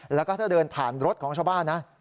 แล้วก็ถ้าเดินผ่านรถของชาวบ้านนะ